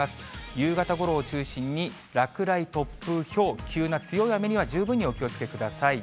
夕方ごろを中心に落雷、突風、ひょう、急な強い雨には十分にお気をつけください。